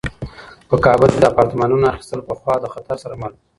په کابل کې د اپارتمانونو اخیستل پخوا له خطر سره مل وو.